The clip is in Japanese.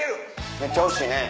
めっちゃ惜しいね。